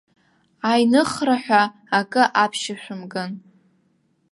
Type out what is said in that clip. Аиныхраҳәа акы аԥшьышәымган.